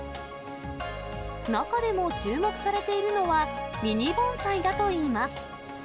中でも注目されているのは、ミニ盆栽だといいます。